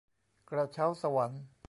กระเช้าสวรรค์